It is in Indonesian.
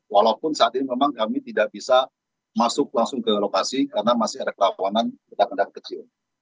walaupun saat ini memang kami tidak bisa masuk langsung ke lokasi karena masih ada kerawanan redak ledak kecil